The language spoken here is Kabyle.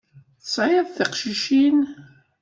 Tesɛiḍ tiqcicin?